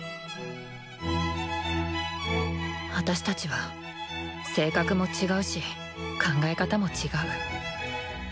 あたしたちは性格も違うし考え方も違う。